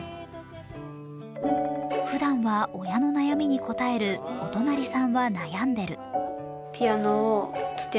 ふだんは親の悩みに答える「おとなりさんはなやんでる。」。